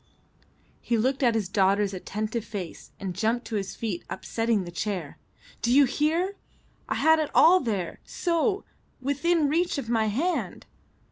He looked at his daughter's attentive face and jumped to his feet upsetting the chair. "Do you hear? I had it all there; so; within reach of my hand."